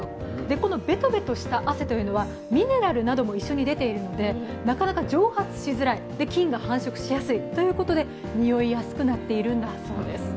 このベトベトした汗というのはミネラルなども一緒に出ているのでなかなか蒸発しづらいそして菌が繁殖しづらいということでにおいやすくなっているんだそうです。